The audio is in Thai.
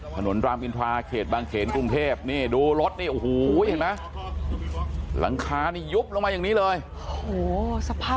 ถนนรามอินทราเขตบางเขนกรุงเทพ